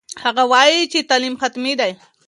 هغه وایي چې تعلیم حتمي دی.